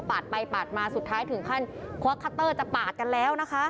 ไปปาดมาสุดท้ายถึงขั้นควักคัตเตอร์จะปาดกันแล้วนะคะ